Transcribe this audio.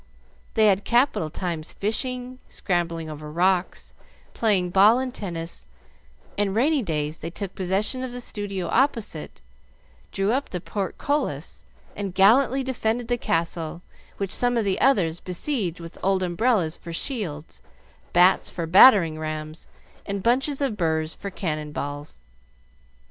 They had capital times fishing, scrambling over the rocks, playing ball and tennis, and rainy days they took possession of the studio opposite, drew up the portcullis, and gallantly defended the castle, which some of the others besieged with old umbrellas for shields, bats for battering rams, and bunches of burrs for cannon balls.